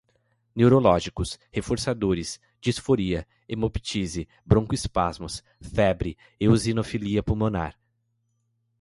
neurológicos, reforçadores, disforia, hemoptise, broncoespasmos, febre, eosinofilia pulmonar